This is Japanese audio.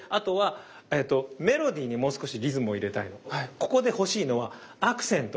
ここで欲しいのはアクセント。